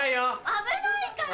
危ないから。